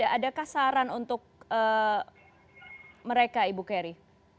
adakah saran untuk mereka ibu keri